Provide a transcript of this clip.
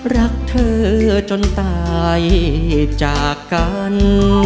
รักเธอจนตายจากกัน